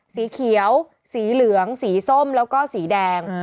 สีเขียวสีเหลืองสีส้มแล้วก็สีแดง